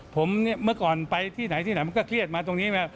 ผมเมื่อก่อนไปที่ไหนมันก็เครียดมาตรงนี้